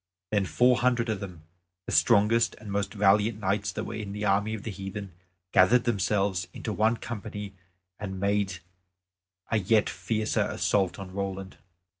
Then four hundred of them, the strongest and most valiant knights that were in the army of the heathen, gathered themselves into one company, and made a yet fiercer assault on Roland.